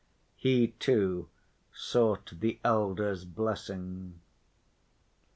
He too sought the elder's blessing.